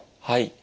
はい。